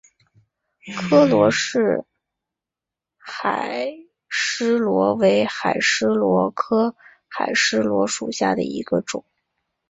柯罗氏海蛳螺为海蛳螺科海蛳螺属下的一个种。